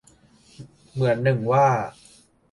เหมือนหนึ่งว่า